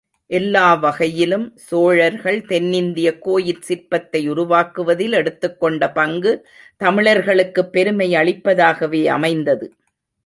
எல்லா வகையிலும் சோழர்கள் தென்னிந்திய கோயிற் சிற்பத்தை உருவாக்குவதில் எடுத்துக் கொண்ட பங்கு, தமிழர்களுக்குப் பெருமை அளிப்பதாகவே அமைந்தது.